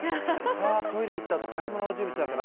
「さあトイレ行ったあと買い物の準備しなきゃな。